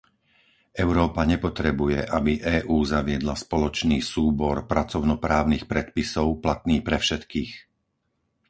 Európa nepotrebuje, aby EÚ zaviedla spoločný súbor pracovno-právnych predpisov, platný pre všetkých.